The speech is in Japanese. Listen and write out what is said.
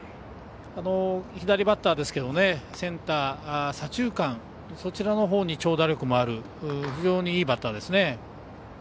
左バッターですけどセンター、左中間そちらのほうに長打力もある非常にいいバッターですね。